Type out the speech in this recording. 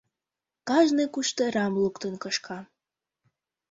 Кажне куштырам луктын кышка.